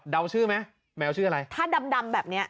ชื่อไหมแมวชื่ออะไรถ้าดำดำแบบนี้